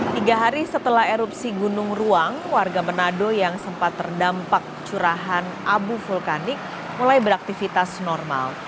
tiga hari setelah erupsi gunung ruang warga manado yang sempat terdampak curahan abu vulkanik mulai beraktivitas normal